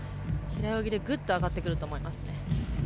平泳ぎでぐっと上がってくると思います。